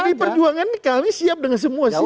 pdi perjuangan ini kali ini siap dengan semua sistem